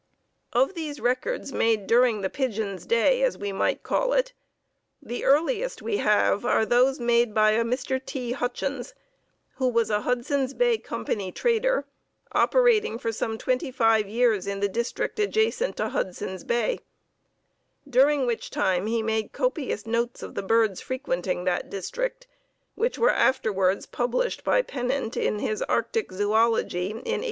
Of these records made during the pigeons' day, as we might call it, the earliest we have are those made by a Mr. T. Hutchins, who was a Hudson's Bay Company trader, operating for some twenty five years in the district adjacent to Hudson's Bay, during which time he made copious notes of the birds frequenting that district, which were afterwards published by Pennant in his "Arctic Zoölogy" in 1875.